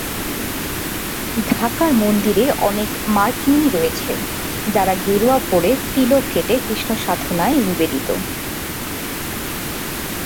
ঢাকার মন্দিরে অনেক মার্কিনি রয়েছেন, যাঁরা গেরুয়া পরে ও তিলক কেটে কৃষ্ণসাধনায় নিবেদিত।